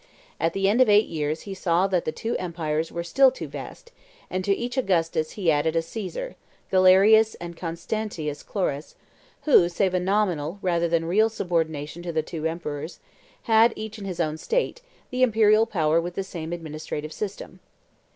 At the end of eight years he saw that the two empires were still too vast; and to each Augustus he added a Caesar, Galerius and Constantius Chlorus, who, save a nominal, rather than real, subordination to the two emperors, had, each in his own state, the imperial power with the same administrative system.